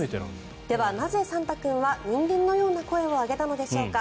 では、なぜさんたくんは人間のような声を上げたのでしょうか。